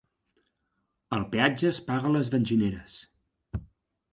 El peatge es paga a les benzineres.